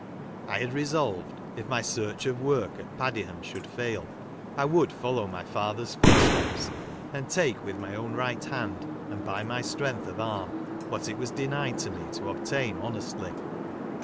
I had resolved, if my search of work at Padiham should fail, I woiild follow my father's footsteps, and take with my own right hand and by my strength of arm what it was denied me to obtain honestly.